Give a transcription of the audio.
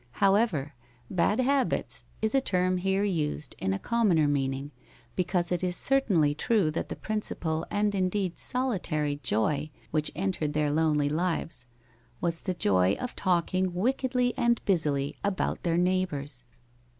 However, bad habits is a term here used in a commoner meaning, because it is certainly true that the principal and indeed solitary joy which entered their lonely lives was the joy of talking wickedly and busily about their neighbors.